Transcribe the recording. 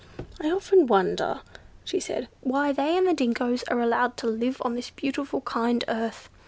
I often wonder," she said, "why they and the dingos are allowed to live on this beautiful kind earth.